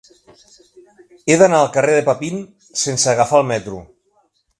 He d'anar al carrer de Papin sense agafar el metro.